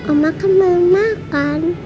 oma kan belum makan